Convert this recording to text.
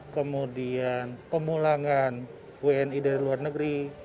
kemudian pemulangan wni dari luar negeri